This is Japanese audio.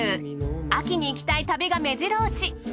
秋に行きたい旅が目白押し。